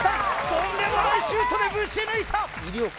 とんでもないシュートでブチ抜いた！